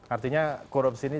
artinya korupsi ini